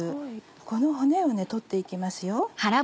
この骨を取って行きます。